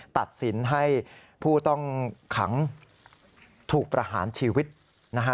ตัดสินให้ผู้ต้องขังถูกประหารชีวิตนะฮะ